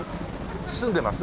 住んでます？